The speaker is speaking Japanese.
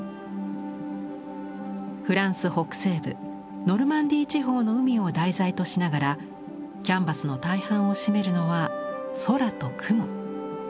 フランス北西部ノルマンディー地方の海を題材としながらキャンバスの大半を占めるのは空と雲。